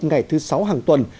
ngày thứ sáu hàng tuần